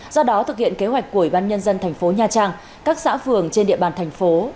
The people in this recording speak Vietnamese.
do đó thực hiện kế hoạch của ủy ban nhân dân thành phố nha trang các xã phường trên địa bàn thành phố